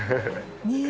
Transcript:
ねえ。